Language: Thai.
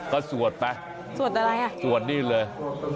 ก็สวดไปสวดนี่เลยสวดอะไร